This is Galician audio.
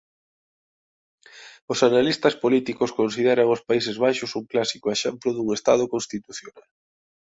Os analistas políticos consideran os Países Baixos un clásico exemplo dun estado constitucional.